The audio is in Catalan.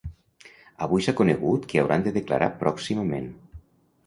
Avui s’ha conegut que hauran de declarar pròximament.